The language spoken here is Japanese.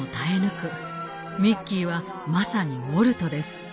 ミッキーはまさにウォルトです。